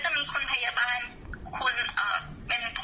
ก็จะมีคุณพยาบาลไม่เป็นไรครับคุณหมอพูดได้ครับ